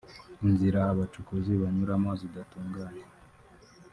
inzira abacukuzi banyuramo zidatunganye